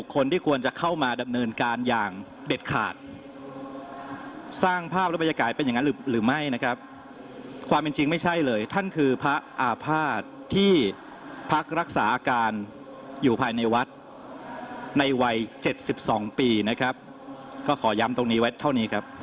ก็ขอยำตรงนี้ไว้เท่านี้ครับ